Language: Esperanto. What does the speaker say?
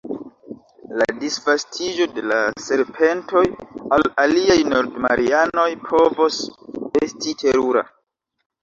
La disvastiĝo de la serpentoj al aliaj Nord-Marianoj povos esti terura.